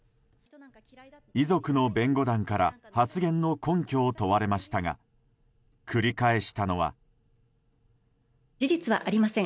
遺族の弁護団から発言の根拠を問われましたが繰り返したのは。